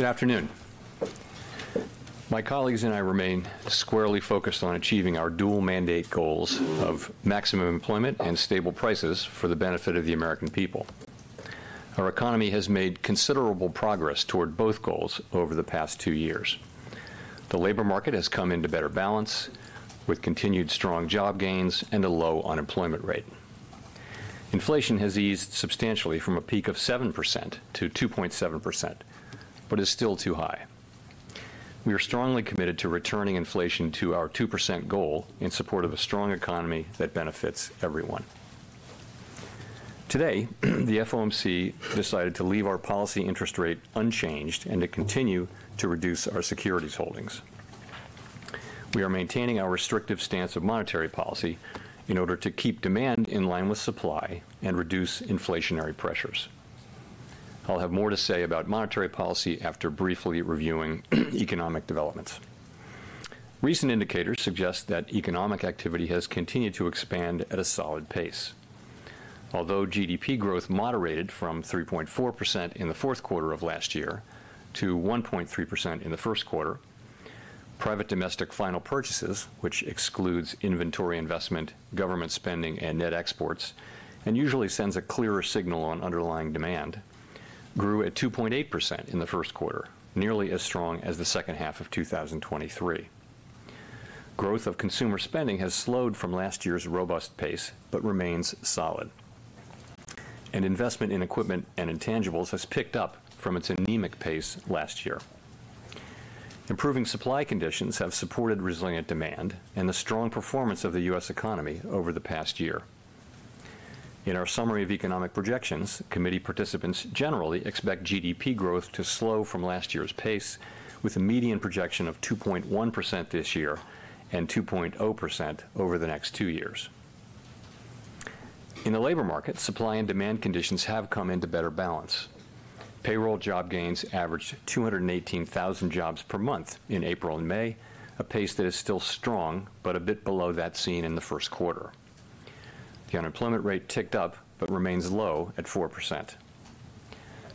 Good afternoon. My colleagues and I remain squarely focused on achieving our dual-mandate goals of maximum employment and stable prices for the benefit of the American people. Our economy has made considerable progress toward both goals over the past two years. The labor market has come into better balance, with continued strong job gains and a low unemployment rate. Inflation has eased substantially from a peak of 7%- 2.7%, but is still too high. We are strongly committed to returning inflation to our 2% goal in support of a strong economy that benefits everyone. Today, the FOMC decided to leave our policy interest rate unchanged and to continue to reduce our securities holdings. We are maintaining our restrictive stance of monetary policy in order to keep demand in line with supply and reduce inflationary pressures. I'll have more to say about monetary policy after briefly reviewing economic developments. Recent indicators suggest that economic activity has continued to expand at a solid pace. Although GDP growth moderated from 3.4% in the fourth quarter of last year to 1.3% in the first quarter, private domestic final purchases, which excludes inventory investment, government spending, and net exports, and usually sends a clearer signal on underlying demand, grew at 2.8% in the first quarter, nearly as strong as the second half of 2023. Growth of consumer spending has slowed from last year's robust pace but remains solid. Investment in equipment and intangibles has picked up from its anemic pace last year. Improving supply conditions have supported resilient demand and the strong performance of the US economy over the past year. In our Summary of Economic Projections, committee participants generally expect GDP growth to slow from last year's pace, with a median projection of 2.1% this year and 2.0% over the next two years. In the labor market, supply and demand conditions have come into better balance. Payroll job gains averaged 218,000 jobs per month in April and May, a pace that is still strong but a bit below that seen in the first quarter. The unemployment rate ticked up but remains low at 4%.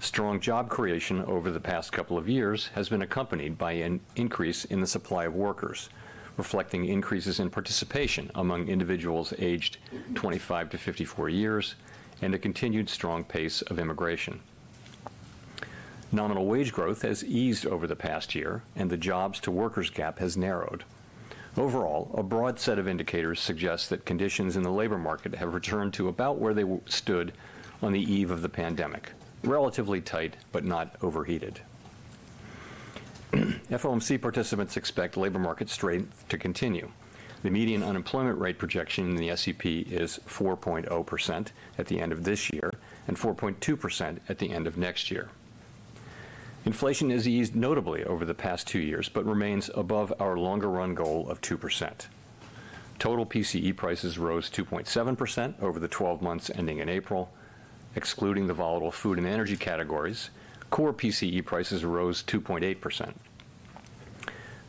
Strong job creation over the past couple of years has been accompanied by an increase in the supply of workers, reflecting increases in participation among individuals aged 25-54 years and a continued strong pace of immigration. Nominal wage growth has eased over the past year, and the jobs-to-workers gap has narrowed. Overall, a broad set of indicators suggests that conditions in the labor market have returned to about where they stood on the eve of the pandemic: relatively tight but not overheated. FOMC participants expect labor market strength to continue. The median unemployment rate projection in the SEP is 4.0% at the end of this year and 4.2% at the end of next year. Inflation has eased notably over the past two years but remains above our longer-run goal of 2%. Total PCE prices rose 2.7% over the 12 months ending in April. Excluding the volatile food and energy categories, core PCE prices rose 2.8%.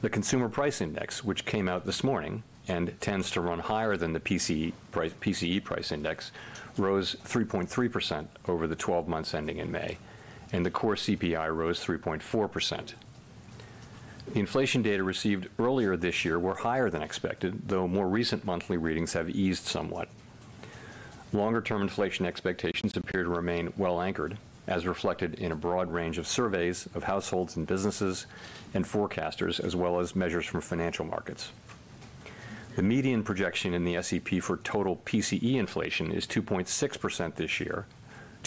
The Consumer Price Index, which came out this morning and tends to run higher than the PCE price index, rose 3.3% over the 12 months ending in May, and the core CPI rose 3.4%. The inflation data received earlier this year were higher than expected, though more recent monthly readings have eased somewhat. Longer-term inflation expectations appear to remain well anchored, as reflected in a broad range of surveys of households and businesses and forecasters, as well as measures from financial markets. The median projection in the SEP for total PCE inflation is 2.6% this year,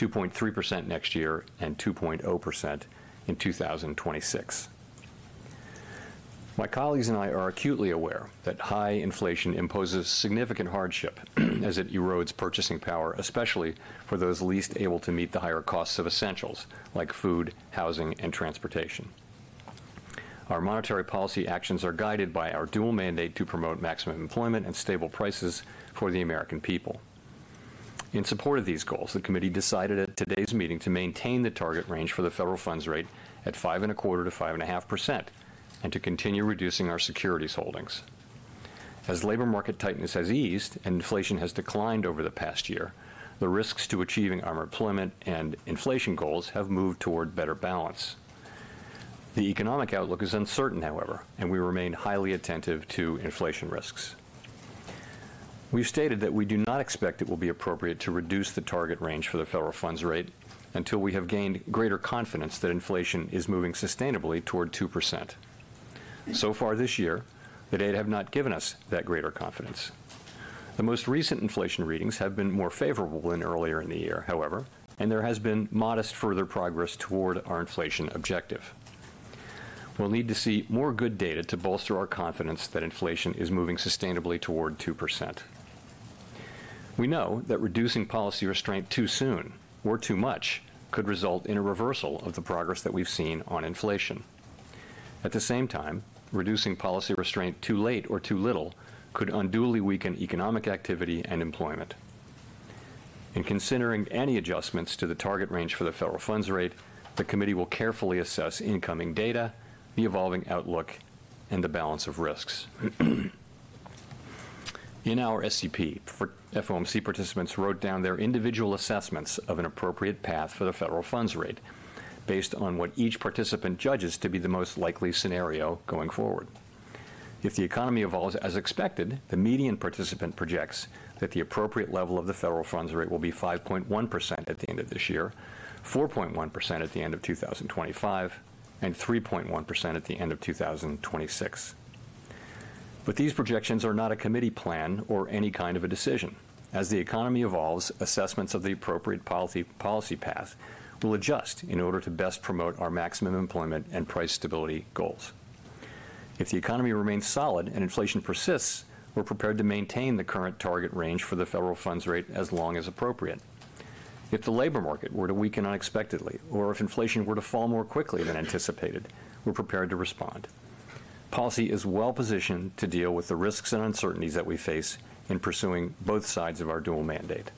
2.3% next year, and 2.0% in 2026. My colleagues and I are acutely aware that high inflation imposes significant hardship as it erodes purchasing power, especially for those least able to meet the higher costs of essentials like food, housing, and transportation. Our monetary policy actions are guided by our dual mandate to promote maximum employment and stable prices for the American people. In support of these goals, the committee decided at today's meeting to maintain the target range for the federal funds rate at 5.25%-5.5% and to continue reducing our securities holdings. As labor market tightness has eased and inflation has declined over the past year, the risks to achieving our employment and inflation goals have moved toward better balance. The economic outlook is uncertain, however, and we remain highly attentive to inflation risks. We've stated that we do not expect it will be appropriate to reduce the target range for the federal funds rate until we have gained greater confidence that inflation is moving sustainably toward 2%. So far this year, the data have not given us that greater confidence. The most recent inflation readings have been more favorable than earlier in the year, however, and there has been modest further progress toward our inflation objective. We'll need to see more good data to bolster our confidence that inflation is moving sustainably toward 2%. We know that reducing policy restraint too soon or too much could result in a reversal of the progress that we've seen on inflation. At the same time, reducing policy restraint too late or too little could unduly weaken economic activity and employment. In considering any adjustments to the target range for the federal funds rate, the committee will carefully assess incoming data, the evolving outlook, and the balance of risks. In our SEP, FOMC participants wrote down their individual assessments of an appropriate path for the federal funds rate, based on what each participant judges to be the most likely scenario going forward. If the economy evolves as expected, the median participant projects that the appropriate level of the federal funds rate will be 5.1% at the end of this year, 4.1% at the end of 2025, and 3.1% at the end of 2026. But these projections are not a committee plan or any kind of a decision. As the economy evolves, assessments of the appropriate policy path will adjust in order to best promote our maximum employment and price stability goals. If the economy remains solid and inflation persists, we're prepared to maintain the current target range for the federal funds rate as long as appropriate. If the labor market were to weaken unexpectedly or if inflation were to fall more quickly than anticipated, we're prepared to respond. Policy is well-positioned to deal with the risks and uncertainties that we face in pursuing both sides of our dual mandate.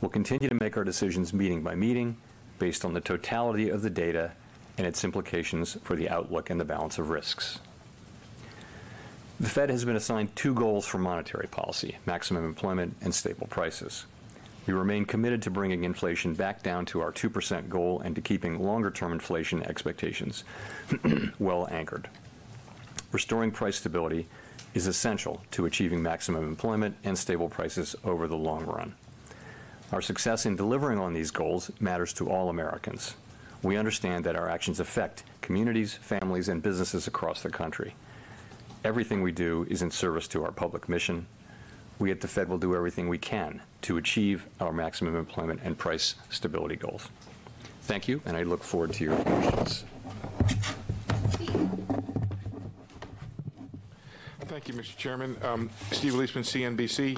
We'll continue to make our decisions meeting by meeting, based on the totality of the data and its implications for the outlook and the balance of risks. The Fed has been assigned two goals for monetary policy: maximum employment and stable prices. We remain committed to bringing inflation back down to our 2% goal and to keeping longer-term inflation expectations well anchored. Restoring price stability is essential to achieving maximum employment and stable prices over the long run. Our success in delivering on these goals matters to all Americans. We understand that our actions affect communities, families, and businesses across the country. Everything we do is in service to our public mission. We at the Fed will do everything we can to achieve our maximum employment and price stability goals. Thank you, and I look forward to your questions. Thank you, Mr. Chairman. Steve Liesman, CNBC.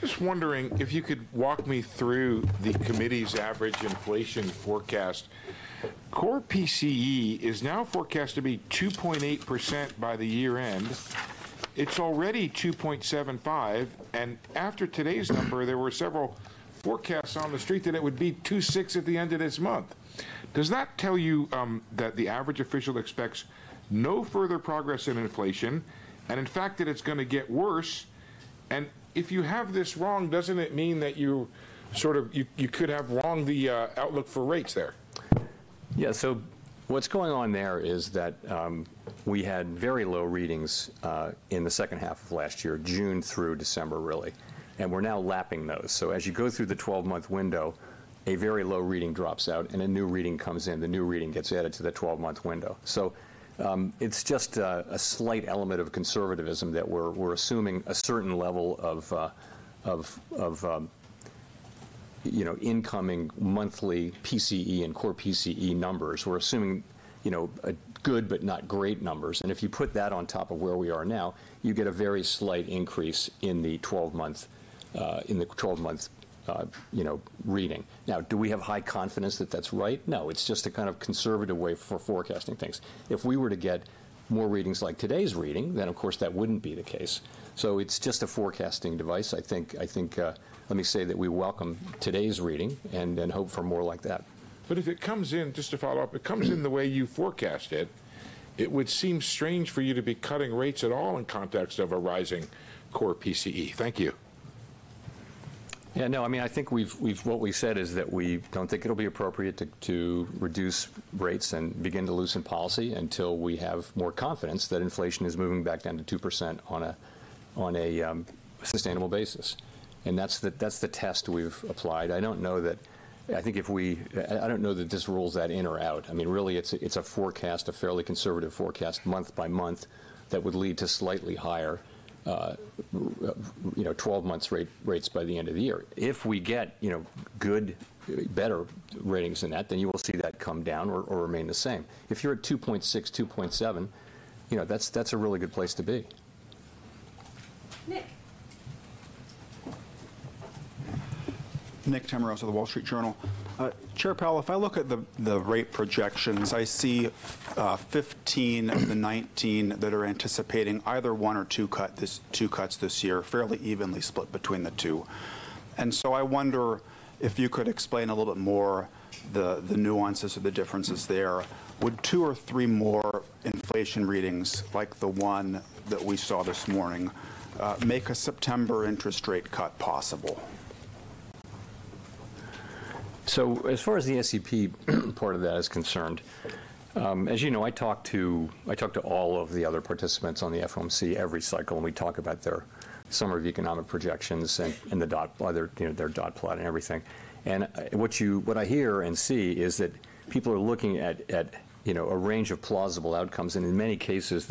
Just wondering if you could walk me through the committee's average inflation forecast. Core PCE is now forecast to be 2.8% by the year-end. It's already 2.75, and after today's number, there were several forecasts on the street that it would be 2.6 at the end of this month. Does that tell you that the average official expects no further progress in inflation and, in fact, that it's going to get worse? And if you have this wrong, doesn't it mean that you sort of you could have wronged the outlook for rates there? Yes. So what's going on there is that we had very low readings in the second half of last year, June through December, really, and we're now lapping those. So as you go through the 12-month window, a very low reading drops out, and a new reading comes in. The new reading gets added to the 12-month window. So it's just a slight element of conservatism that we're assuming a certain level of, you know, incoming monthly PCE and core PCE numbers. We're assuming, you know, good but not great numbers. And if you put that on top of where we are now, you get a very slight increase in the 12-month, in the 12-month, you know, reading. Now, do we have high confidence that that's right? No. It's just a kind of conservative way for forecasting things. If we were to get more readings like today's reading, then, of course, that wouldn't be the case. So it's just a forecasting device. I think, I think, let me say that we welcome today's reading and hope for more like that. But if it comes in, just to follow up, it comes in the way you forecast it, it would seem strange for you to be cutting rates at all in context of a rising Core PCE. Thank you. Yeah, no, I mean, I think what we've said is that we don't think it'll be appropriate to reduce rates and begin to loosen policy until we have more confidence that inflation is moving back down to 2% on a sustainable basis. And that's the test we've applied. I don't know that this rules that in or out. I mean, really, it's a forecast, a fairly conservative forecast, month by month, that would lead to slightly higher, you know, 12-month rates by the end of the year. If we get, you know, good, better readings than that, then you will see that come down or remain the same. If you're at 2.6, 2.7, you know, that's a really good place to be. Nick. Nick Timiraos of The Wall Street Journal. Chair Powell, if I look at the rate projections, I see 15 of the 19 that are anticipating either one or two cuts this year, fairly evenly split between the two. And so I wonder if you could explain a little bit more the nuances of the differences there. Would two or three more inflation readings, like the one that we saw this morning, make a September interest rate cut possible? So as far as the SEP part of that is concerned, as you know, I talk to all of the other participants on the FOMC every cycle, and we talk about their Summary of Economic Projections and the dot, you know, their dot plot and everything. And what I hear and see is that people are looking at, you know, a range of plausible outcomes, and in many cases,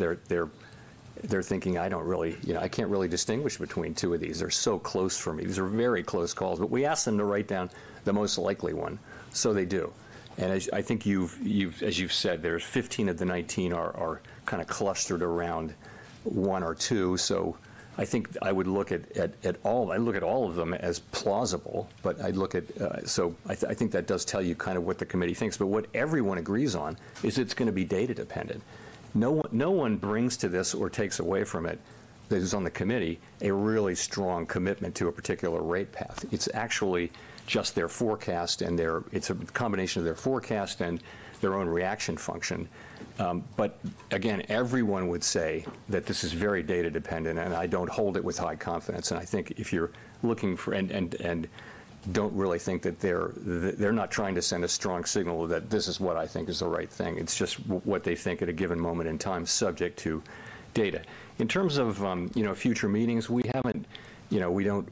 they're thinking, I don't really, you know, I can't really distinguish between two of these. They're so close for me. These are very close calls. But we ask them to write down the most likely one. So they do. And I think you've, as you've said, there's 15 of the 19 are kind of clustered around one or two. So I think I would look at all of them as plausible, but I'd look at. So I think that does tell you kind of what the committee thinks. But what everyone agrees on is it's going to be data-dependent. No one brings to this or takes away from it, those on the committee, a really strong commitment to a particular rate path. It's actually just their forecast and their—it's a combination of their forecast and their own reaction function. But, again, everyone would say that this is very data-dependent, and I don't hold it with high confidence. And I think if you're looking for and don't really think that they're not trying to send a strong signal that this is what I think is the right thing. It's just what they think at a given moment in time, subject to data. In terms of, you know, future meetings, we haven't, you know, we don't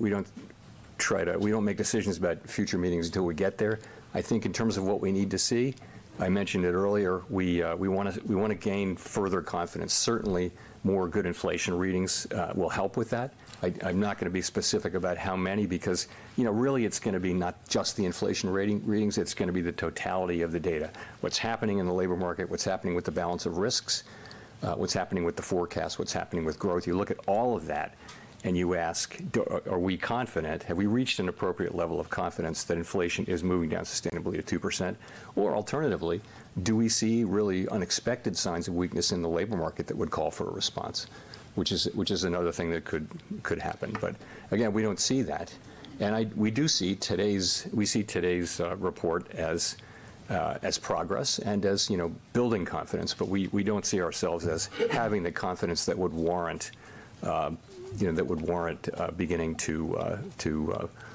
make decisions about future meetings until we get there. I think in terms of what we need to see, I mentioned it earlier, we want to gain further confidence. Certainly, more good inflation readings will help with that. I'm not going to be specific about how many, because, you know, really, it's going to be not just the inflation readings. It's going to be the totality of the data, what's happening in the labor market, what's happening with the balance of risks, what's happening with the forecast, what's happening with growth. You look at all of that, and you ask, are we confident? Have we reached an appropriate level of confidence that inflation is moving down sustainably to 2%? Or, alternatively, do we see really unexpected signs of weakness in the labor market that would call for a response, which is another thing that could happen? But, again, we don't see that. And we do see today's report as progress and as, you know, building confidence. But we don't see ourselves as having the confidence that would warrant, you know, that would warrant beginning to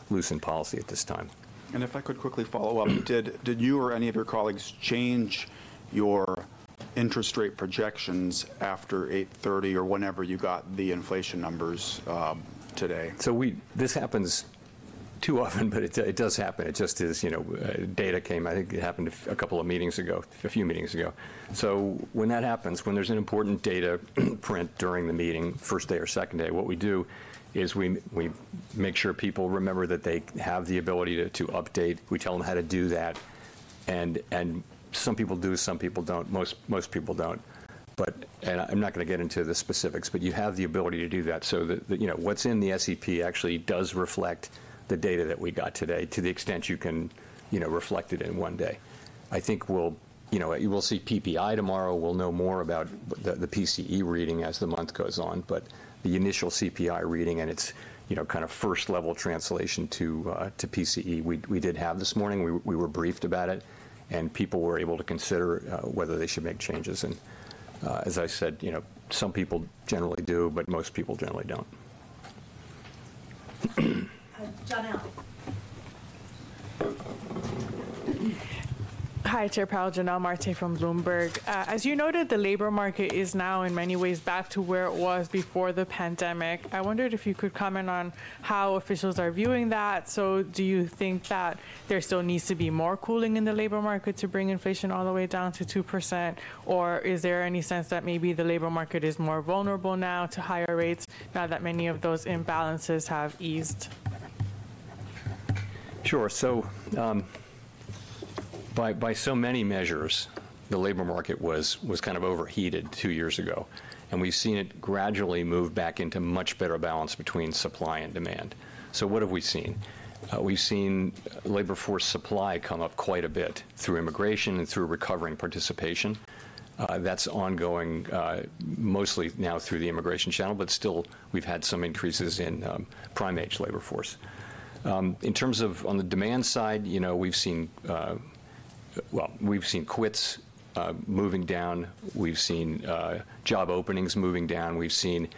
loosen policy at this time. If I could quickly follow up, did you or any of your colleagues change your interest rate projections after 8:30 A.M. or whenever you got the inflation numbers today? So, this happens too often, but it does happen. It just is, you know, data came. I think it happened a couple of meetings ago, a few meetings ago. So when that happens, when there's an important data print during the meeting, first day or second day, what we do is we make sure people remember that they have the ability to update. We tell them how to do that. And some people do. Some people don't. Most people don't. But I'm not going to get into the specifics, but you have the ability to do that so that, you know, what's in the SEP actually does reflect the data that we got today, to the extent you can, you know, reflect it in one day. I think we'll, you know, we'll see PPI tomorrow. We'll know more about the PCE reading as the month goes on. But the initial CPI reading and its, you know, kind of first-level translation to PCE, we did have this morning. We were briefed about it, and people were able to consider whether they should make changes. As I said, you know, some people generally do, but most people generally don't. Jonnellen? Hi, Chair Powell. Jonnelle Marte from Bloomberg. As you noted, the labor market is now, in many ways, back to where it was before the pandemic. I wondered if you could comment on how officials are viewing that. Do you think that there still needs to be more cooling in the labor market to bring inflation all the way down to 2%? Or is there any sense that maybe the labor market is more vulnerable now to higher rates, now that many of those imbalances have eased? Sure. So by so many measures, the labor market was kind of overheated two years ago, and we've seen it gradually move back into much better balance between supply and demand. So what have we seen? We've seen labor force supply come up quite a bit through immigration and through recovering participation. That's ongoing mostly now through the immigration channel, but still, we've had some increases in prime-age labor force. In terms of on the demand side, you know, we've seen well, we've seen quits moving down. We've seen job openings moving down. We've seen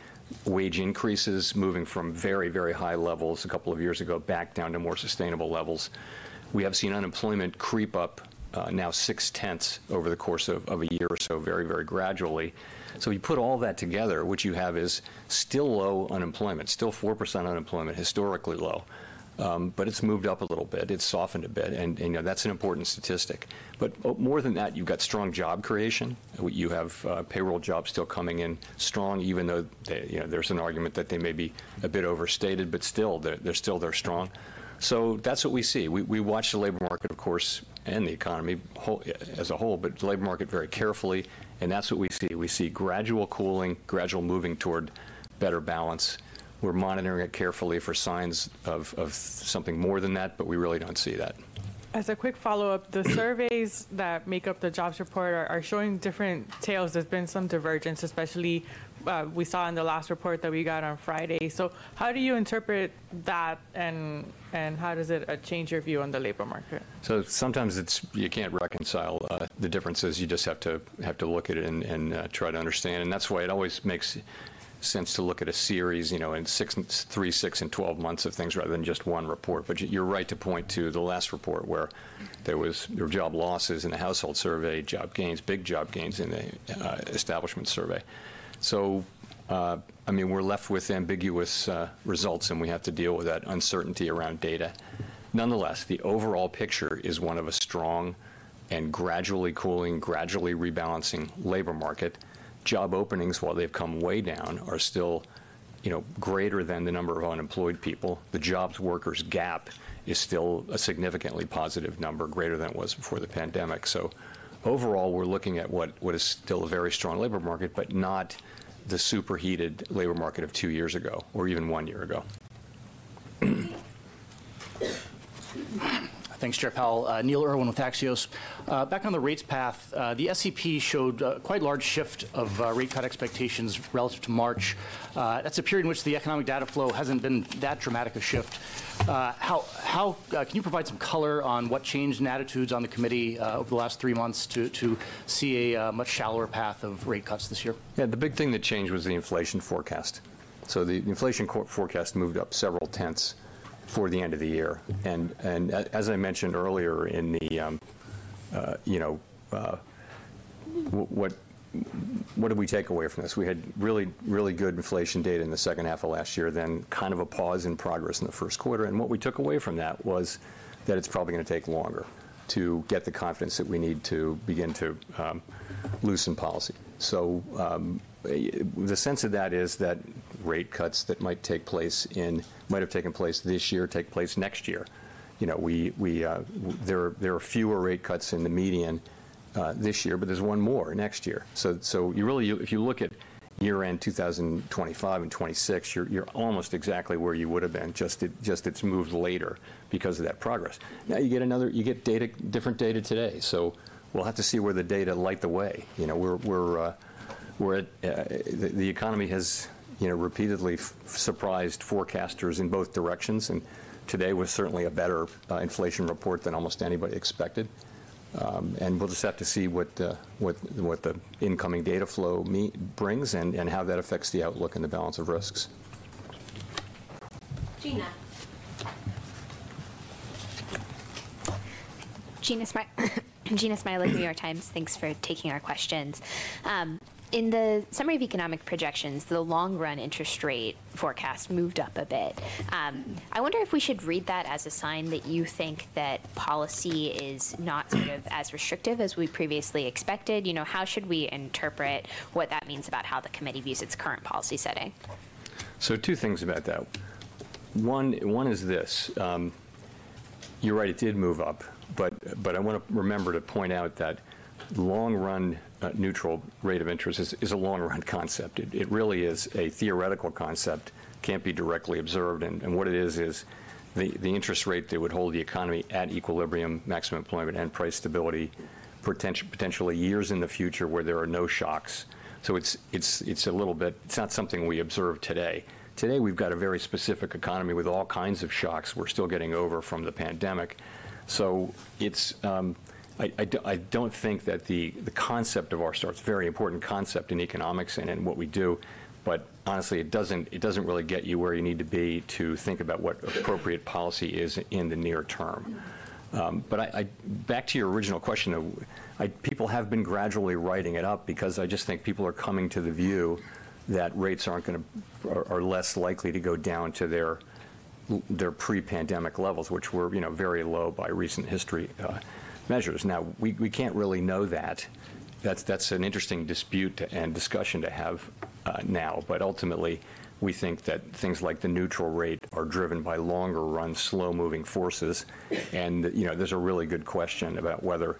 wage increases moving from very, very high levels a couple of years ago back down to more sustainable levels. We have seen unemployment creep up now 0.6 over the course of a year or so, very, very gradually. So you put all that together, what you have is still low unemployment, still 4% unemployment, historically low. But it's moved up a little bit. It's softened a bit. And, you know, that's an important statistic. But more than that, you've got strong job creation. You have payroll jobs still coming in strong, even though, you know, there's an argument that they may be a bit overstated, but still, they're still there strong. So that's what we see. We watch the labor market, of course, and the economy as a whole, but the labor market very carefully. And that's what we see. We see gradual cooling, gradual moving toward better balance. We're monitoring it carefully for signs of something more than that, but we really don't see that. As a quick follow-up, the surveys that make up the jobs report are showing different tales. There's been some divergence, especially we saw in the last report that we got on Friday. So how do you interpret that, and how does it change your view on the labor market? So sometimes it's you can't reconcile the differences. You just have to look at it and try to understand. And that's why it always makes sense to look at a series, you know, in six, three, six, and 12 months of things rather than just one report. But you're right to point to the last report where there were job losses in the household survey, job gains, big job gains in the establishment survey. So, I mean, we're left with ambiguous results, and we have to deal with that uncertainty around data. Nonetheless, the overall picture is one of a strong and gradually cooling, gradually rebalancing labor market. Job openings, while they've come way down, are still, you know, greater than the number of unemployed people. The jobs-to- workers gap is still a significantly positive number, greater than it was before the pandemic. Overall, we're looking at what is still a very strong labor market, but not the superheated labor market of two years ago or even one year ago. Thanks, Chair Powell. Neil Irwin with Axios. Back on the rates path, the SEP showed a quite large shift of rate cut expectations relative to March. That's a period in which the economic data flow hasn't been that dramatic a shift. How can you provide some color on what changed in attitudes on the committee over the last three months to see a much shallower path of rate cuts this year? Yeah, the big thing that changed was the inflation forecast. So the inflation forecast moved up several tenths for the end of the year. And as I mentioned earlier in the, you know, what did we take away from this? We had really, really good inflation data in the second half of last year, then kind of a pause in progress in the first quarter. And what we took away from that was that it's probably going to take longer to get the confidence that we need to begin to loosen policy. So the sense of that is that rate cuts that might take place in might have taken place this year, take place next year. You know, we there are fewer rate cuts in the median this year, but there's one more next year. So you really, if you look at year-end 2025 and 2026, you're almost exactly where you would have been, just it's moved later because of that progress. Now you get another, you get data, different data today. So we'll have to see where the data lead the way. You know, where the economy has, you know, repeatedly surprised forecasters in both directions. And today was certainly a better inflation report than almost anybody expected. And we'll just have to see what the incoming data flow brings and how that affects the outlook and the balance of risks. Gina. Jeanna Smialek of The New York Times. Thanks for taking our questions. In the Summary of Economic Projections, the long-run interest rate forecast moved up a bit. I wonder if we should read that as a sign that you think that policy is not sort of as restrictive as we previously expected. You know, how should we interpret what that means about how the committee views its current policy setting? So two things about that. One is this: you're right, it did move up. But I want to remember to point out that long-run neutral rate of interest is a long-run concept. It really is a theoretical concept, can't be directly observed. And what it is, is the interest rate that would hold the economy at equilibrium, maximum employment and price stability, potentially years in the future where there are no shocks. So it's a little bit, it's not something we observe today. Today, we've got a very specific economy with all kinds of shocks we're still getting over from the pandemic. So it's, I don't think that the concept of r-star is a very important concept in economics and in what we do. But, honestly, it doesn't really get you where you need to be to think about what appropriate policy is in the near term. But back to your original question, people have been gradually writing it up because I just think people are coming to the view that rates are less likely to go down to their pre-pandemic levels, which were, you know, very low by recent history measures. Now, we can't really know that. That's an interesting dispute and discussion to have now. But ultimately, we think that things like the neutral rate are driven by longer-run, slow-moving forces. And, you know, there's a really good question about whether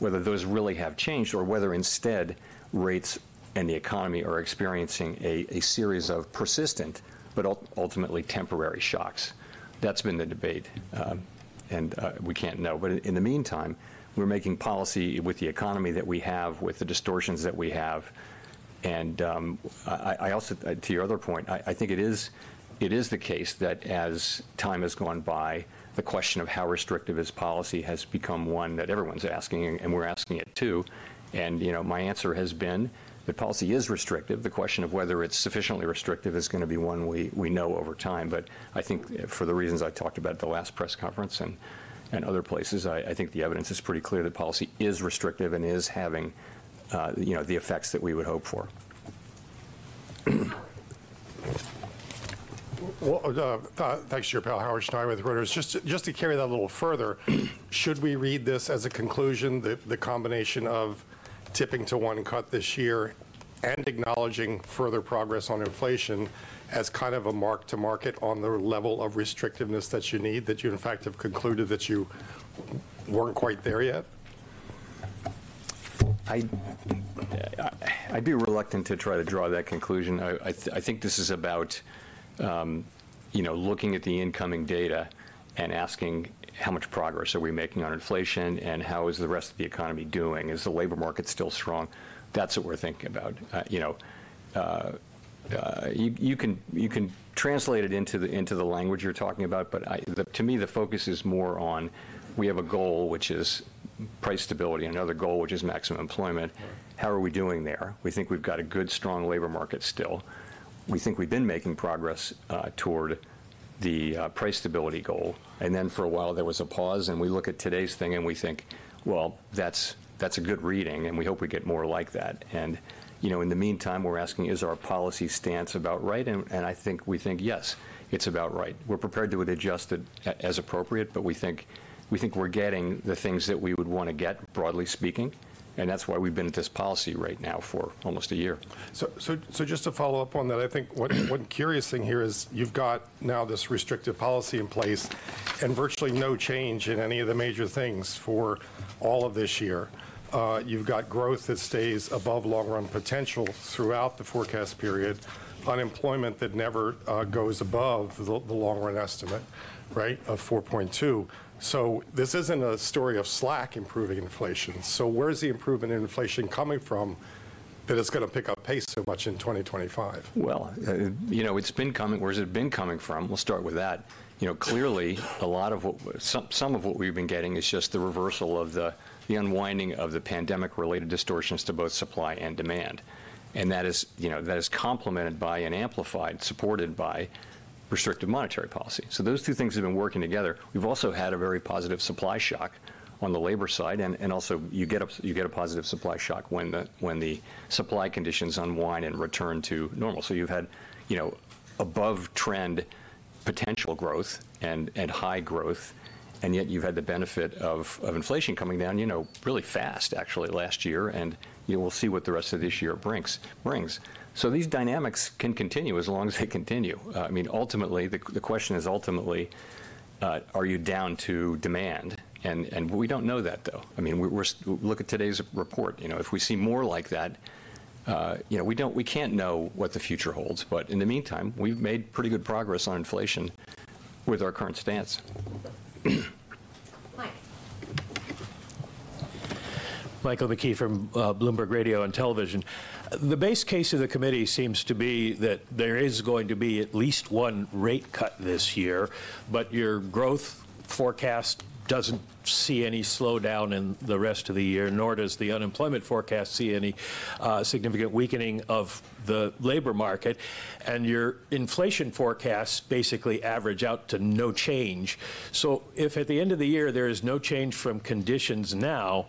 those really have changed or whether instead rates and the economy are experiencing a series of persistent, but ultimately temporary shocks. That's been the debate. And we can't know. But in the meantime, we're making policy with the economy that we have, with the distortions that we have. And I also, to your other point, I think it is the case that as time has gone by, the question of how restrictive is policy has become one that everyone's asking, and we're asking it too. And, you know, my answer has been that policy is restrictive. The question of whether it's sufficiently restrictive is going to be one we know over time. But I think for the reasons I talked about at the last press conference and other places, I think the evidence is pretty clear that policy is restrictive and is having, you know, the effects that we would hope for. Thanks, Chair Powell. Howard Schneider with Reuters. Just to carry that a little further, should we read this as a conclusion, the combination of tipping to one cut this year and acknowledging further progress on inflation as kind of a mark-to-market on the level of restrictiveness that you need, that you, in fact, have concluded that you weren't quite there yet? I'd be reluctant to try to draw that conclusion. I think this is about, you know, looking at the incoming data and asking how much progress are we making on inflation and how is the rest of the economy doing? Is the labor market still strong? That's what we're thinking about. You know, you can translate it into the language you're talking about, but to me, the focus is more on we have a goal, which is price stability, and another goal, which is maximum employment. How are we doing there? We think we've got a good, strong labor market still. We think we've been making progress toward the price stability goal. And then for a while, there was a pause. And we look at today's thing and we think, well, that's a good reading, and we hope we get more like that. And, you know, in the meantime, we're asking, is our policy stance about right? And I think we think, yes, it's about right. We're prepared to adjust it as appropriate, but we think we're getting the things that we would want to get, broadly speaking. And that's why we've been at this policy rate now for almost a year. Just to follow up on that, I think one curious thing here is you've got now this restrictive policy in place and virtually no change in any of the major things for all of this year. You've got growth that stays above long-run potential throughout the forecast period, unemployment that never goes above the long-run estimate, right, of 4.2. This isn't a story of slack improving inflation. Where's the improvement in inflation coming from that it's going to pick up pace so much in 2025? Well, you know, it's been coming. Where has it been coming from? We'll start with that. You know, clearly, a lot of what some of what we've been getting is just the reversal of the unwinding of the pandemic-related distortions to both supply and demand. And that is, you know, that is complemented by and amplified, supported by restrictive monetary policy. So those two things have been working together. We've also had a very positive supply shock on the labor side. And also, you get a positive supply shock when the supply conditions unwind and return to normal. So you've had, you know, above-trend potential growth and high growth, and yet you've had the benefit of inflation coming down, you know, really fast, actually, last year. And we'll see what the rest of this year brings. So these dynamics can continue as long as they continue. I mean, ultimately, the question is ultimately, are you down to demand? And we don't know that, though. I mean, look at today's report. You know, if we see more like that, you know, we can't know what the future holds. But in the meantime, we've made pretty good progress on inflation with our current stance. Mike. Michael McKee from Bloomberg Radio and Television. The base case of the committee seems to be that there is going to be at least one rate cut this year. But your growth forecast doesn't see any slowdown in the rest of the year, nor does the unemployment forecast see any significant weakening of the labor market. And your inflation forecasts basically average out to no change. So if at the end of the year there is no change from conditions now,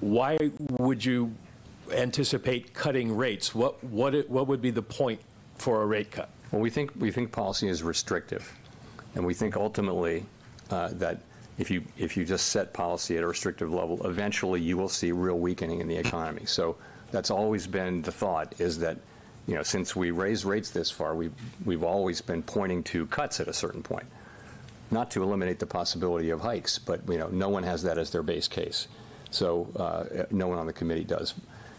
why would you anticipate cutting rates? What would be the point for a rate cut? Well, we think policy is restrictive. We think ultimately that if you just set policy at a restrictive level, eventually you will see real weakening in the economy. That's always been the thought, is that, you know, since we raised rates this far, we've always been pointing to cuts at a certain point, not to eliminate the possibility of hikes. You know, no one has that as their base case. No one on the committee does.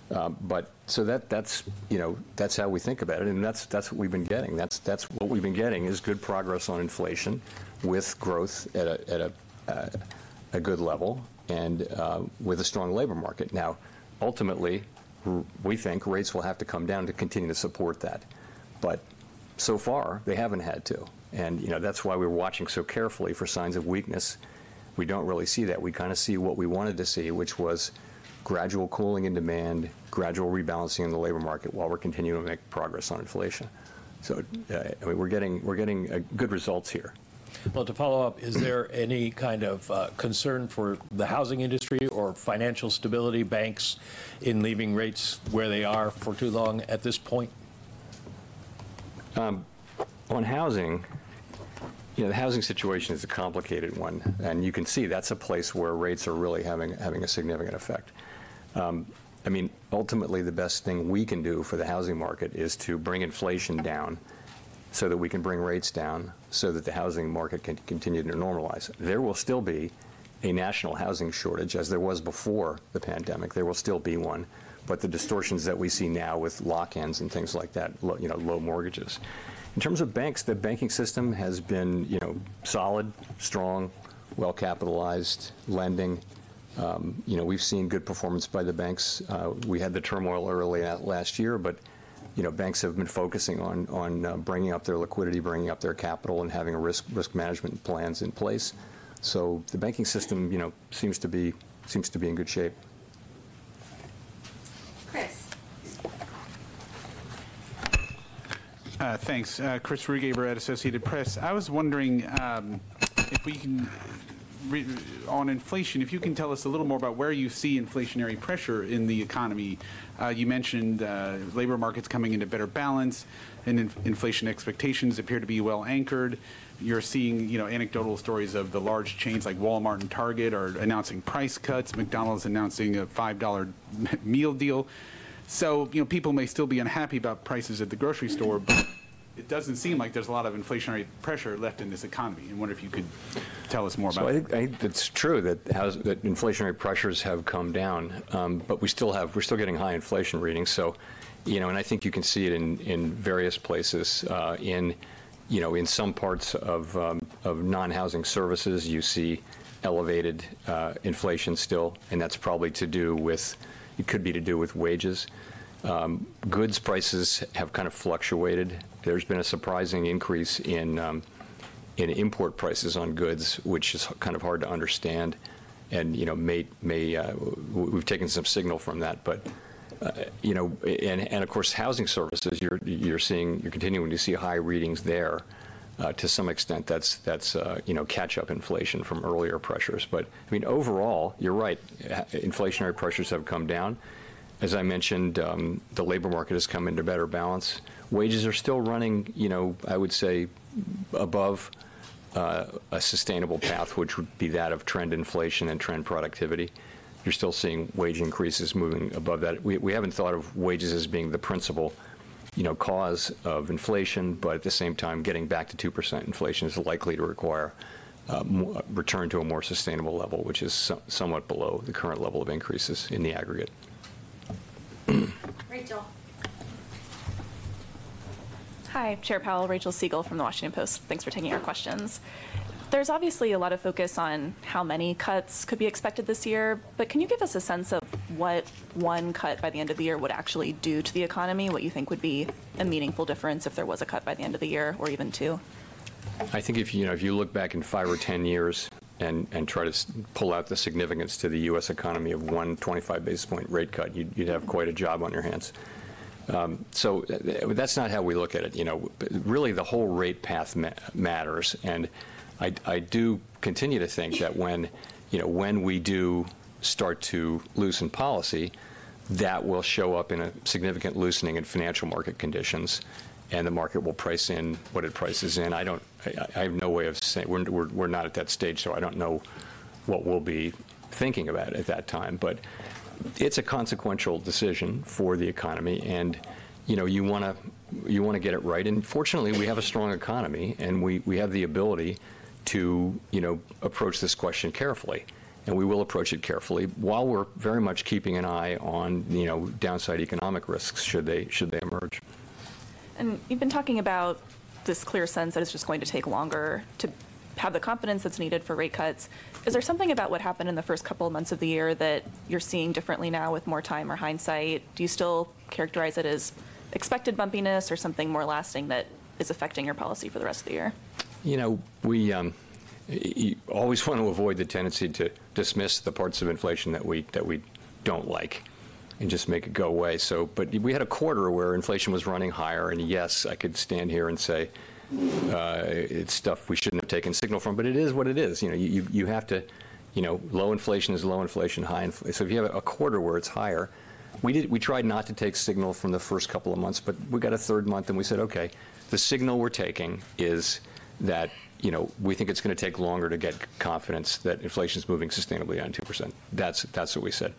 That's, you know, that's how we think about it. That's what we've been getting. That's what we've been getting is good progress on inflation with growth at a good level and with a strong labor market. Now, ultimately, we think rates will have to come down to continue to support that. So far, they haven't had to. You know, that's why we were watching so carefully for signs of weakness. We don't really see that. We kind of see what we wanted to see, which was gradual cooling in demand, gradual rebalancing in the labor market while we're continuing to make progress on inflation. So we're getting good results here. Well, to follow up, is there any kind of concern for the housing industry or financial stability, banks in leaving rates where they are for too long at this point? On housing, you know, the housing situation is a complicated one. You can see that's a place where rates are really having a significant effect. I mean, ultimately, the best thing we can do for the housing market is to bring inflation down so that we can bring rates down so that the housing market can continue to normalize. There will still be a national housing shortage as there was before the pandemic. There will still be one. The distortions that we see now with lock-ins and things like that, you know, low mortgages. In terms of banks, the banking system has been, you know, solid, strong, well-capitalized, lending. You know, we've seen good performance by the banks. We had the turmoil early last year. Banks have been focusing on bringing up their liquidity, bringing up their capital, and having risk management plans in place. The banking system, you know, seems to be in good shape. Chris. Thanks. Christopher Rugaber, Associated Press. I was wondering if we can on inflation, if you can tell us a little more about where you see inflationary pressure in the economy. You mentioned labor markets coming into better balance, and inflation expectations appear to be well anchored. You're seeing, you know, anecdotal stories of the large chains like Walmart and Target are announcing price cuts, McDonald's announcing a $5 meal deal. So, you know, people may still be unhappy about prices at the grocery store, but it doesn't seem like there's a lot of inflationary pressure left in this economy. I wonder if you could tell us more about that. So I think it's true that inflationary pressures have come down. But we're still getting high inflation readings. So, you know, and I think you can see it in various places. In, you know, in some parts of non-housing services, you see elevated inflation still. And that's probably to do with it could be to do with wages. Goods prices have kind of fluctuated. There's been a surprising increase in import prices on goods, which is kind of hard to understand. And, you know, maybe we've taken some signal from that. But, you know, and of course, housing services, you're continuing to see high readings there. To some extent, that's, you know, catch-up inflation from earlier pressures. But, I mean, overall, you're right, inflationary pressures have come down. As I mentioned, the labor market has come into better balance. Wages are still running, you know, I would say, above a sustainable path, which would be that of trend inflation and trend productivity. You're still seeing wage increases moving above that. We haven't thought of wages as being the principal, you know, cause of inflation. But at the same time, getting back to 2% inflation is likely to require return to a more sustainable level, which is somewhat below the current level of increases in the aggregate. Rachel. Hi, Chair Powell, Rachel Siegel from The Washington Post. Thanks for taking our questions. There's obviously a lot of focus on how many cuts could be expected this year. But can you give us a sense of what one cut by the end of the year would actually do to the economy, what you think would be a meaningful difference if there was a cut by the end of the year or even two? I think if, you know, if you look back in five or 10 years and try to pull out the significance to the U.S. economy of one 25 basis point rate cut, you'd have quite a job on your hands. So that's not how we look at it. You know, really, the whole rate path matters. And I do continue to think that when, you know, when we do start to loosen policy, that will show up in a significant loosening in financial market conditions. And the market will price in what it prices in. I don't I have no way of saying we're not at that stage, so I don't know what we'll be thinking about at that time. But it's a consequential decision for the economy. And, you know, you want to you want to get it right. And fortunately, we have a strong economy. We have the ability to, you know, approach this question carefully. We will approach it carefully while we're very much keeping an eye on, you know, downside economic risks should they emerge. You've been talking about this clear sense that it's just going to take longer to have the confidence that's needed for rate cuts. Is there something about what happened in the first couple of months of the year that you're seeing differently now with more time or hindsight? Do you still characterize it as expected bumpiness or something more lasting that is affecting your policy for the rest of the year? You know, we always want to avoid the tendency to dismiss the parts of inflation that we don't like and just make it go away. But we had a quarter where inflation was running higher. Yes, I could stand here and say it's stuff we shouldn't have taken signal from. But it is what it is. You know, you have to, you know, low inflation is low inflation, high inflation. So if you have a quarter where it's higher, we tried not to take signal from the first couple of months. But we got a third month, and we said, OK, the signal we're taking is that, you know, we think it's going to take longer to get confidence that inflation is moving sustainably on 2%. That's what we said.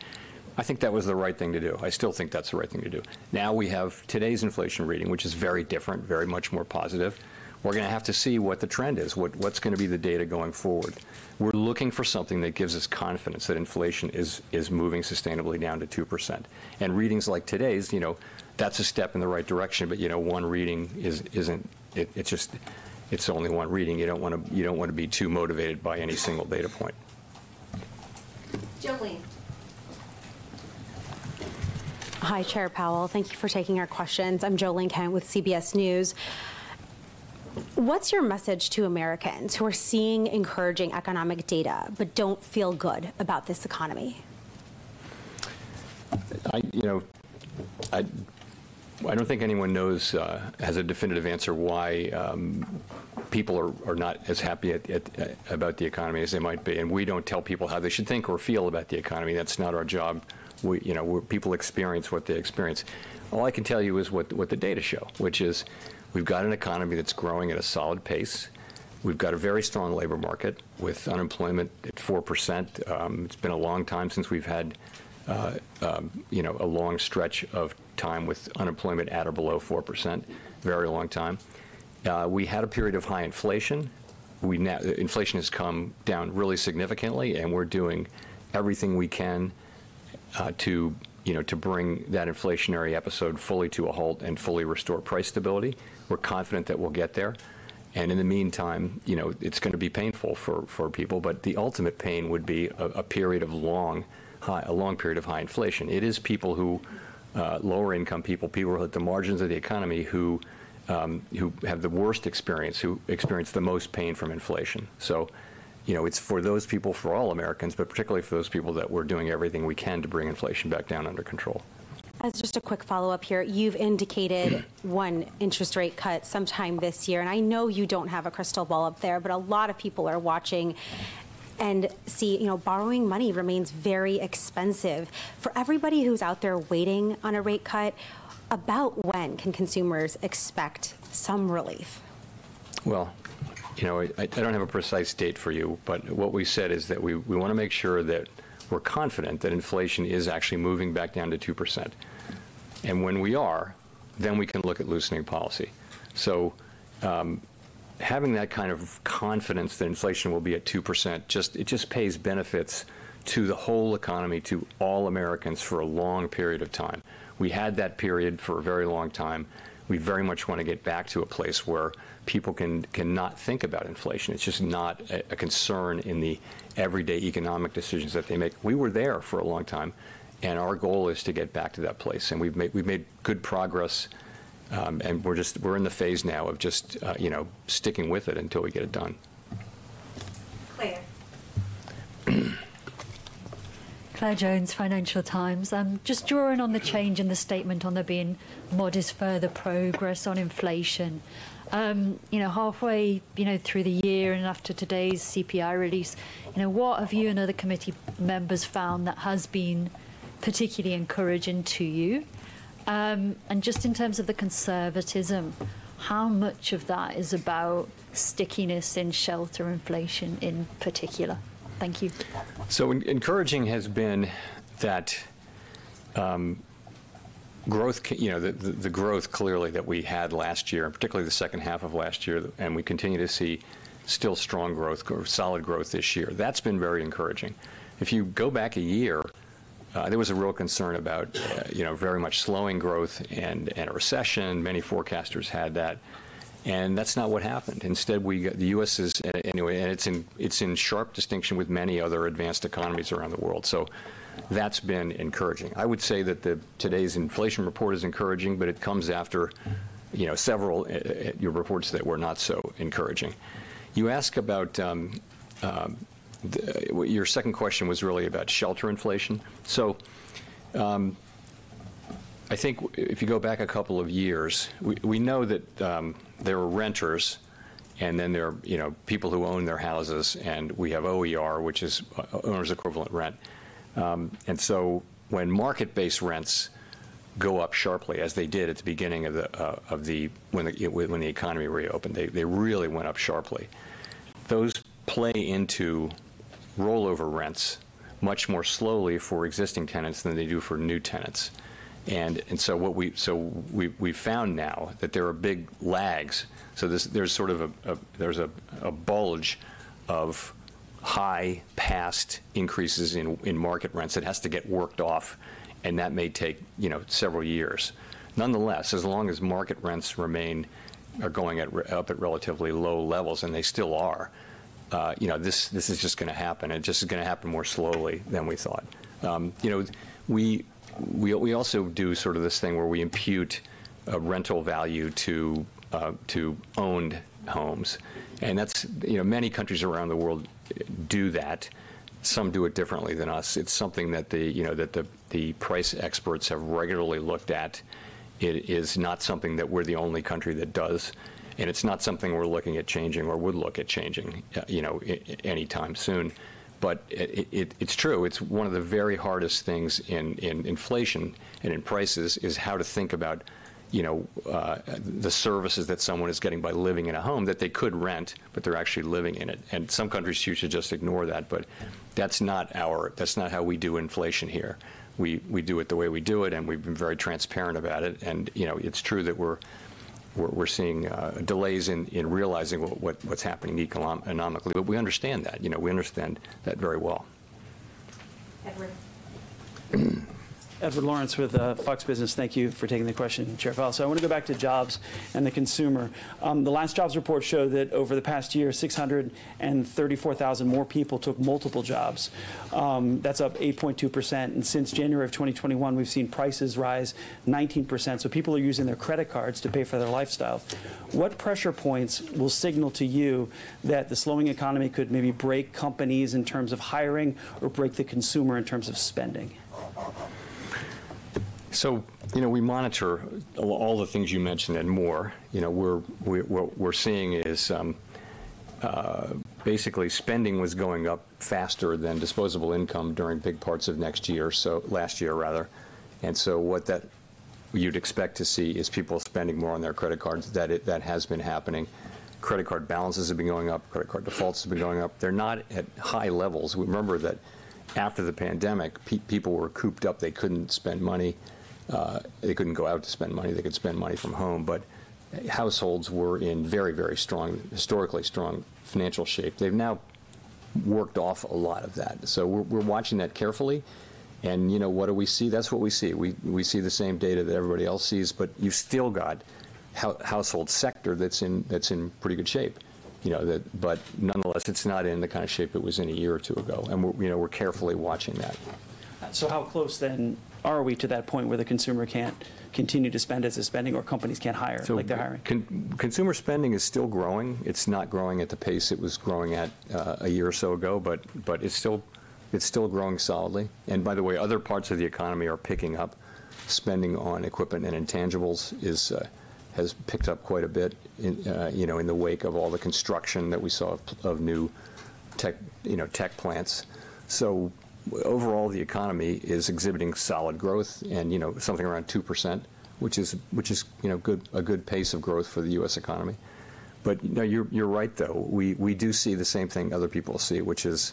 I think that was the right thing to do. I still think that's the right thing to do. Now we have today's inflation reading, which is very different, very much more positive. We're going to have to see what the trend is, what's going to be the data going forward. We're looking for something that gives us confidence that inflation is moving sustainably down to 2%. And readings like today's, you know, that's a step in the right direction. But, you know, one reading isn't it's just it's only one reading. You don't want to you don't want to be too motivated by any single data point. Jo Ling. Hi, Chair Powell. Thank you for taking our questions. I'm Jo Ling Kent with CBS News. What's your message to Americans who are seeing encouraging economic data but don't feel good about this economy? I, you know, I don't think anyone knows, has a definitive answer why people are not as happy about the economy as they might be. We don't tell people how they should think or feel about the economy. That's not our job. We, you know, people experience what they experience. All I can tell you is what the data show, which is we've got an economy that's growing at a solid pace. We've got a very strong labor market with unemployment at 4%. It's been a long time since we've had, you know, a long stretch of time with unemployment at or below 4%, very long time. We had a period of high inflation. Now, inflation has come down really significantly. We're doing everything we can to, you know, to bring that inflationary episode fully to a halt and fully restore price stability. We're confident that we'll get there. And in the meantime, you know, it's going to be painful for people. But the ultimate pain would be a long period of high inflation. It is lower-income people, people at the margins of the economy who have the worst experience, who experience the most pain from inflation. So, you know, it's for those people, for all Americans, but particularly for those people that we're doing everything we can to bring inflation back down under control. As just a quick follow-up here, you've indicated one interest rate cut sometime this year. And I know you don't have a crystal ball up there. But a lot of people are watching and see, you know, borrowing money remains very expensive. For everybody who's out there waiting on a rate cut, about when can consumers expect some relief? Well, you know, I don't have a precise date for you. But what we said is that we want to make sure that we're confident that inflation is actually moving back down to 2%. And when we are, then we can look at loosening policy. So having that kind of confidence that inflation will be at 2% just pays benefits to the whole economy, to all Americans for a long period of time. We had that period for a very long time. We very much want to get back to a place where people can not think about inflation. It's just not a concern in the everyday economic decisions that they make. We were there for a long time. And our goal is to get back to that place. And we've made good progress. We're just in the phase now of just, you know, sticking with it until we get it done. Claire. Claire Jones, Financial Times. Just drawing on the change in the statement on there being modest further progress on inflation, you know, halfway, you know, through the year and after today's CPI release, you know, what have you and other committee members found that has been particularly encouraging to you? And just in terms of the conservatism, how much of that is about stickiness in shelter inflation in particular? Thank you. So encouraging has been that growth, you know, the growth clearly that we had last year, particularly the second half of last year. We continue to see still strong growth, solid growth this year. That's been very encouraging. If you go back a year, there was a real concern about, you know, very much slowing growth and a recession. Many forecasters had that. That's not what happened. Instead, we got the U.S. is at a and it's in sharp distinction with many other advanced economies around the world. So that's been encouraging. I would say that today's inflation report is encouraging. It comes after, you know, several, you know, reports that were not so encouraging. You ask about your second question was really about shelter inflation. So I think if you go back a couple of years, we know that there are renters. And then there are, you know, people who own their houses. And we have OER, which is owners' equivalent rent. And so when market-based rents go up sharply, as they did at the beginning of when the economy reopened, they really went up sharply. Those play into rollover rents much more slowly for existing tenants than they do for new tenants. And so what we've found now that there are big lags. So there's sort of a bulge of high past increases in market rents that has to get worked off. And that may take, you know, several years. Nonetheless, as long as market rents are going up at relatively low levels, and they still are, you know, this is just going to happen. It's just going to happen more slowly than we thought. You know, we also do sort of this thing where we impute a rental value to owned homes. And that's, you know, many countries around the world do that. Some do it differently than us. It's something that the, you know, that the price experts have regularly looked at. It is not something that we're the only country that does. And it's not something we're looking at changing or would look at changing, you know, anytime soon. But it's true. It's one of the very hardest things in inflation and in prices is how to think about, you know, the services that someone is getting by living in a home that they could rent, but they're actually living in it. And some countries should just ignore that. But that's not our that's not how we do inflation here. We do it the way we do it. We've been very transparent about it. You know, it's true that we're seeing delays in realizing what's happening economically. But we understand that. You know, we understand that very well. Edward. Edward Lawrence with Fox Business. Thank you for taking the question, Chair Powell. I want to go back to jobs and the consumer. The last jobs report showed that over the past year, 634,000 more people took multiple jobs. That's up 8.2%. Since January of 2021, we've seen prices rise 19%. People are using their credit cards to pay for their lifestyle. What pressure points will signal to you that the slowing economy could maybe break companies in terms of hiring or break the consumer in terms of spending? So, you know, we monitor all the things you mentioned and more. You know, what we're seeing is basically spending was going up faster than disposable income during big parts of next year, so last year, rather. And so what you'd expect to see is people spending more on their credit cards. That has been happening. Credit card balances have been going up. Credit card defaults have been going up. They're not at high levels. Remember that after the pandemic, people were cooped up. They couldn't spend money. They couldn't go out to spend money. They could spend money from home. But households were in very, very strong, historically strong financial shape. They've now worked off a lot of that. So we're watching that carefully. And, you know, what do we see? That's what we see. We see the same data that everybody else sees. But you've still got household sector that's in pretty good shape. You know, but nonetheless, it's not in the kind of shape it was in a year or two ago. And, you know, we're carefully watching that. So how close, then, are we to that point where the consumer can't continue to spend as they're spending or companies can't hire like they're hiring? Consumer spending is still growing. It's not growing at the pace it was growing at a year or so ago. It's still growing solidly. By the way, other parts of the economy are picking up. Spending on equipment and intangibles has picked up quite a bit, you know, in the wake of all the construction that we saw of new tech, you know, tech plants. Overall, the economy is exhibiting solid growth. You know, something around 2%, which is, you know, a good pace of growth for the U.S. economy. You know, you're right, though. We do see the same thing other people see, which is,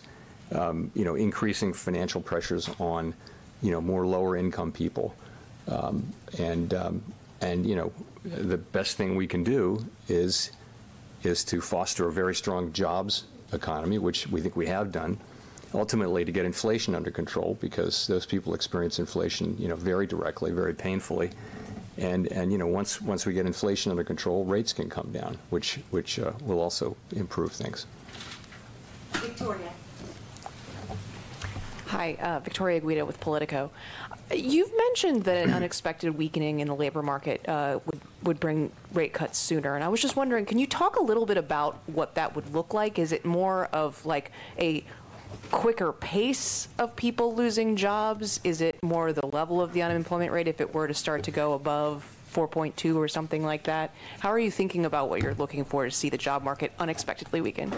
you know, increasing financial pressures on, you know, more lower-income people. You know, the best thing we can do is to foster a very strong jobs economy, which we think we have done, ultimately to get inflation under control because those people experience inflation, you know, very directly, very painfully. You know, once we get inflation under control, rates can come down, which will also improve things. Victoria. Hi. Victoria Guida with Politico. You've mentioned that an unexpected weakening in the labor market would bring rate cuts sooner. And I was just wondering, can you talk a little bit about what that would look like? Is it more of, like, a quicker pace of people losing jobs? Is it more the level of the unemployment rate if it were to start to go above 4.2 or something like that? How are you thinking about what you're looking for to see the job market unexpectedly weaken?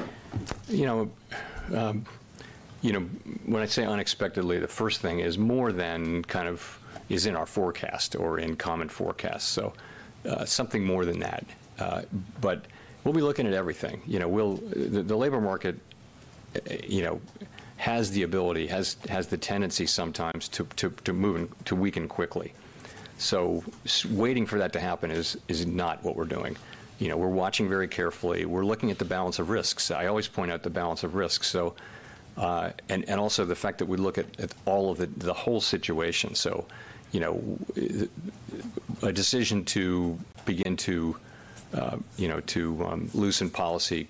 You know, you know, when I say unexpectedly, the first thing is more than kind of is in our forecast or in common forecasts. So something more than that. But we'll be looking at everything. You know, we'll the labor market, you know, has the ability, has the tendency sometimes to move and to weaken quickly. So waiting for that to happen is not what we're doing. You know, we're watching very carefully. We're looking at the balance of risks. I always point out the balance of risks. So and also the fact that we look at all of the whole situation. So, you know, a decision to begin to, you know, to loosen policy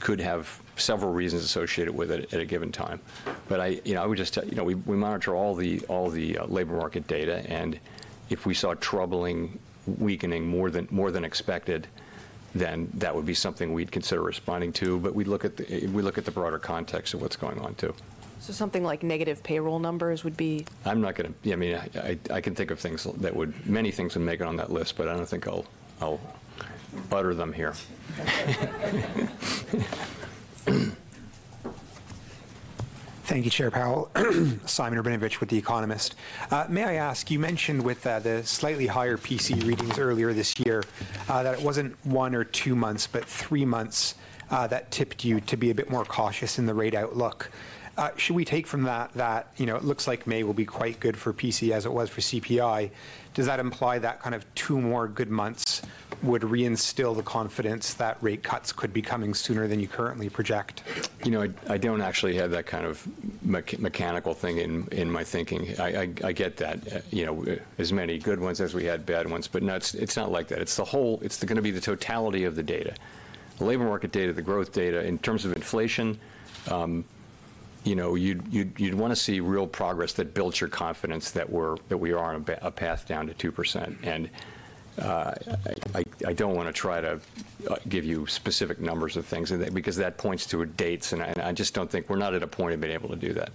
could have several reasons associated with it at a given time. But I, you know, I would just, you know, we monitor all the labor market data. If we saw troubling weakening more than expected, then that would be something we'd consider responding to. But we'd look at the broader context of what's going on, too. Something like negative payroll numbers would be? I'm not going to, I mean, I can think of many things that would make it on that list. But I don't think I'll utter them here. Thank you, Chair Powell. Simon Rabinovitch with The Economist. May I ask, you mentioned with the slightly higher PCE readings earlier this year that it wasn't one or two months, but three months that tipped you to be a bit more cautious in the rate outlook. Should we take from that that, you know, it looks like May will be quite good for PCE as it was for CPI, does that imply that kind of two more good months would reinstill the confidence that rate cuts could be coming sooner than you currently project? You know, I don't actually have that kind of mechanical thing in my thinking. I get that, you know, as many good ones as we had bad ones. But no, it's not like that. It's the whole, it's going to be the totality of the data, the labor market data, the growth data. In terms of inflation, you know, you'd want to see real progress that builds your confidence that we are on a path down to 2%. And I don't want to try to give you specific numbers of things because that points to dates. And I just don't think we're not at a point of being able to do that.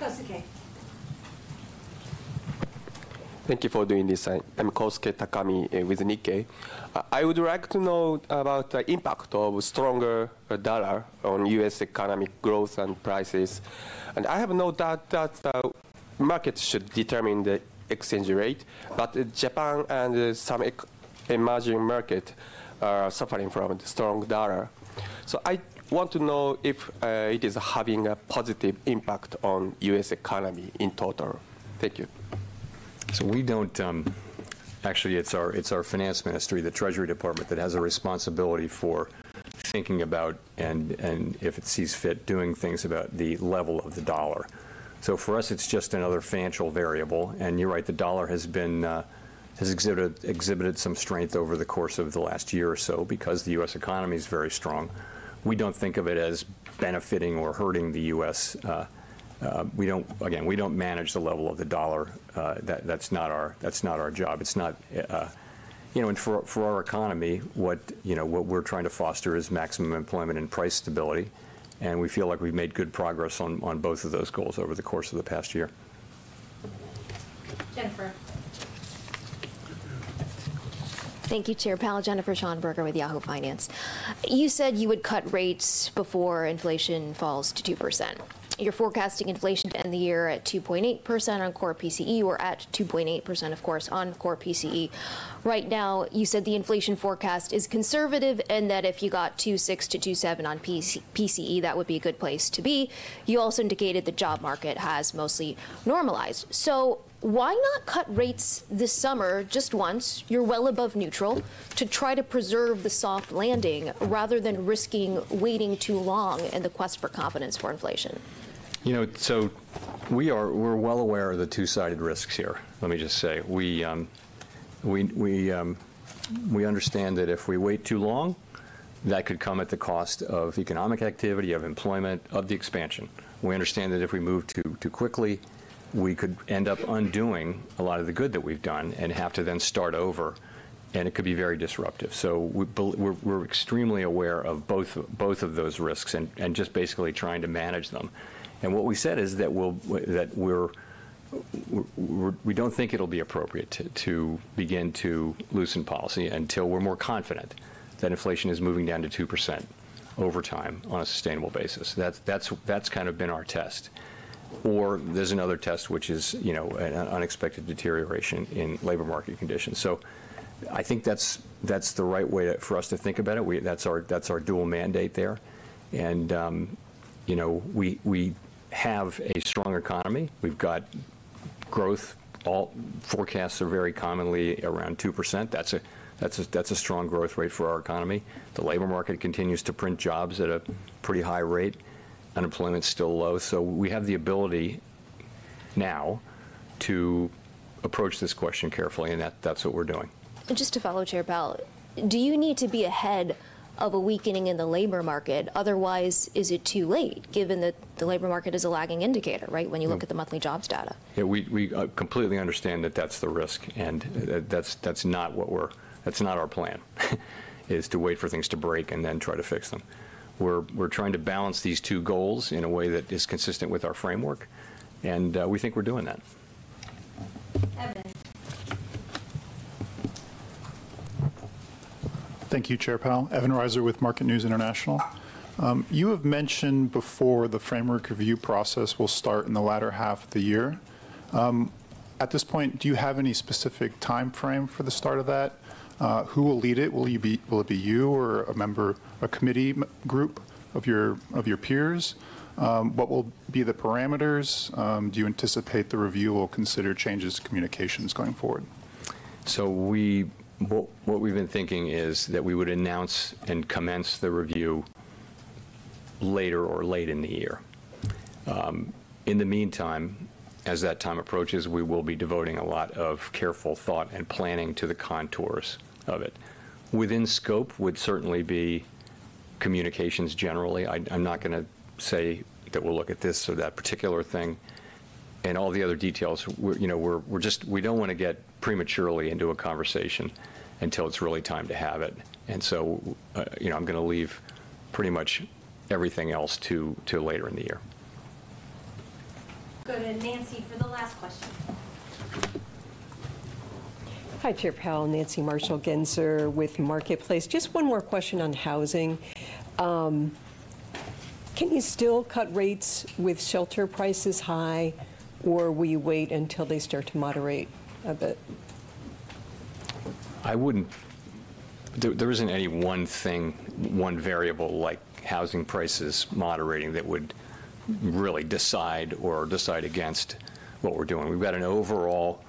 Kousuke. Thank you for doing this. I'm Kousuke Takami with Nikkei. I would like to know about the impact of a stronger US dollar on U.S. economic growth and prices. I have no doubt that markets should determine the exchange rate. Japan and some emerging markets are suffering from the strong US dollar. I want to know if it is having a positive impact on the U.S. economy in total. Thank you. So we don't actually, it's our finance ministry, the Treasury Department, that has a responsibility for thinking about and, if it sees fit, doing things about the level of the dollar. So for us, it's just another financial variable. And you're right, the dollar has exhibited some strength over the course of the last year or so because the U.S. economy is very strong. We don't think of it as benefiting or hurting the U.S. We don't, again, we don't manage the level of the dollar. That's not our job. It's not, you know, and for our economy, what, you know, what we're trying to foster is maximum employment and price stability. And we feel like we've made good progress on both of those goals over the course of the past year. Jennifer. Thank you, Chair Powell. Jennifer Schonberger with Yahoo Finance. You said you would cut rates before inflation falls to 2%. You're forecasting inflation to end the year at 2.8% on core PCE or at 2.8%, of course, on core PCE. Right now, you said the inflation forecast is conservative and that if you got 2.6%-2.7% on PCE, that would be a good place to be. You also indicated the job market has mostly normalized. So why not cut rates this summer just once? You're well above neutral to try to preserve the soft landing rather than risking waiting too long in the quest for confidence for inflation. You know, so we're well aware of the two-sided risks here, let me just say. We understand that if we wait too long, that could come at the cost of economic activity, of employment, of the expansion. We understand that if we move too quickly, we could end up undoing a lot of the good that we've done and have to then start over. And it could be very disruptive. So we're extremely aware of both of those risks and just basically trying to manage them. And what we said is that we don't think it'll be appropriate to begin to loosen policy until we're more confident that inflation is moving down to 2% over time on a sustainable basis. That's kind of been our test. Or there's another test, which is, you know, an unexpected deterioration in labor market conditions. So I think that's the right way for us to think about it. That's our dual mandate there. And, you know, we have a strong economy. We've got growth. All forecasts are very commonly around 2%. That's a strong growth rate for our economy. The labor market continues to print jobs at a pretty high rate. Unemployment's still low. So we have the ability now to approach this question carefully. And that's what we're doing. And just to follow, Chair Powell, do you need to be ahead of a weakening in the labor market? Otherwise, is it too late, given that the labor market is a lagging indicator, right, when you look at the monthly jobs data? Yeah, we completely understand that that's the risk. And that's not our plan, is to wait for things to break and then try to fix them. We're trying to balance these two goals in a way that is consistent with our framework. And we think we're doing that. Evan. Thank you, Chair Powell. Evan Ryser with Market News International. You have mentioned before the framework review process will start in the latter half of the year. At this point, do you have any specific time frame for the start of that? Who will lead it? Will it be you or a member, a committee group of your peers? What will be the parameters? Do you anticipate the review will consider changes to communications going forward? So what we've been thinking is that we would announce and commence the review later or late in the year. In the meantime, as that time approaches, we will be devoting a lot of careful thought and planning to the contours of it. Within scope would certainly be communications generally. I'm not going to say that we'll look at this or that particular thing. And all the other details, you know, we're just, we don't want to get prematurely into a conversation until it's really time to have it. And so, you know, I'm going to leave pretty much everything else to later in the year. Go to Nancy for the last question. Hi, Chair Powell. Nancy Marshall-Genzer with Marketplace. Just one more question on housing. Can you still cut rates with shelter prices high, or will you wait until they start to moderate a bit? I wouldn't say there isn't any one thing, one variable like housing prices moderating that would really decide or decide against what we're doing. We've got an overall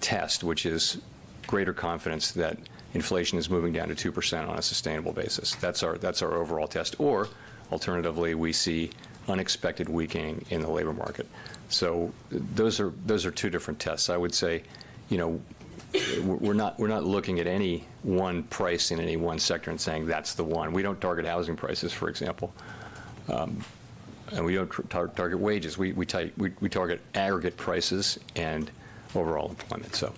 test, which is greater confidence that inflation is moving down to 2% on a sustainable basis. That's our overall test. Or, alternatively, we see unexpected weakening in the labor market. So those are two different tests. I would say, you know, we're not looking at any one price in any one sector and saying that's the one. We don't target housing prices, for example. And we don't target wages. We target aggregate prices and overall employment, so.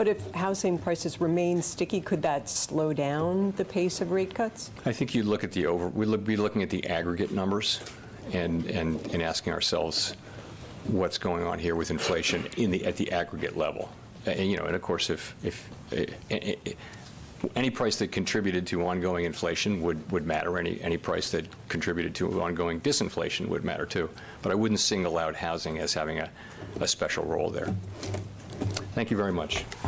If housing prices remain sticky, could that slow down the pace of rate cuts? I think you'd look at the overall we'd be looking at the aggregate numbers and asking ourselves what's going on here with inflation at the aggregate level. And, you know, and of course, if any price that contributed to ongoing inflation would matter, any price that contributed to ongoing disinflation would matter, too. But I wouldn't single out housing as having a special role there. Thank you very much.